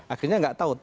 akhirnya nggak tahu